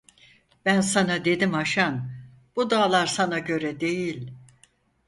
Ben sana dedim Haşan, bu dağlar sana göre değil!